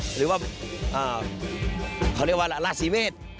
หรือว่าเขาเรียกว่าราศีเมษ